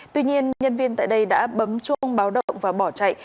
tuy nhiên nhân viên tại đây đã bấm chuông báo động và bỏ chạy